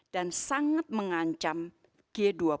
dan sangat mengancam g dua puluh